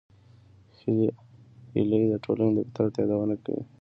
هیلۍ د ټولنې د فطرت یادونه کوي